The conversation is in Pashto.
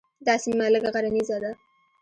دا سیمه لږه غرنیزه ده.